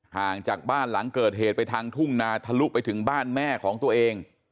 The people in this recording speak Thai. ห่างจากบ้านหลังเกิดเหตุไปทางทุ่งนาทะลุไปถึงบ้านแม่ของตัวเอง